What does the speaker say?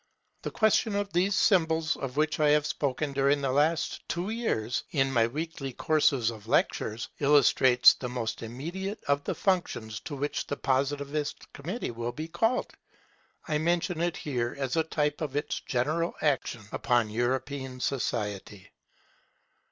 The question of these symbols, of which I have spoken during the last two years in my weekly courses of lectures, illustrates the most immediate of the functions to which the Positive Committee will be called. I mention it here, as a type of its general action upon European society.